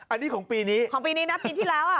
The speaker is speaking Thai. อันนี้ของปีนี้ของปีนี้นะปีที่แล้วอ่ะ